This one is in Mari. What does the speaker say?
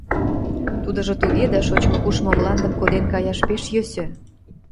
Тудыжо туге, да шочмо-кушмо мландым коден каяш пеш йӧсӧ.